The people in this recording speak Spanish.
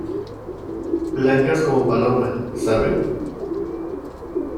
blancas como palomas .¿ sabe ?